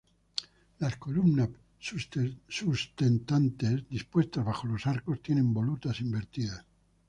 Las columnas sustentantes dispuestas bajo los arcos tienen volutas invertidas.